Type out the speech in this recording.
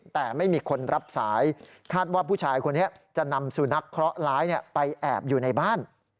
แต่ไม่มีคนรับสายคาดว่าผู้ชายคนนี้จะนำสุนัขเคราะหร้ายไปแอบอยู่ในบ้าน